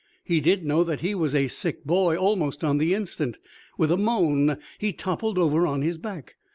He did know that he was a sick boy almost on the instant. With a moan he toppled over on his back.